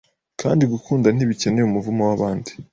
Kandi gukunda ntibikeneye umuvumo wabandi